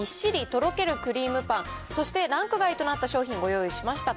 とろけるクリームパン、そして、ランク外となった商品をご用意しました。